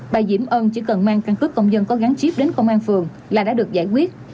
bà diễm ân chỉ cần mang căn cứ công dân có gắn chip đến công an phường là đã được giải quyết